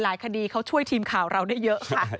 คดีเขาช่วยทีมข่าวเราได้เยอะค่ะ